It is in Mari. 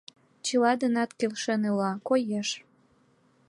Чыла денат келшен ила, коеш.